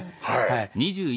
はい。